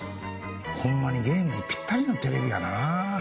ホンマにゲームにピッタリのテレビやなぁ。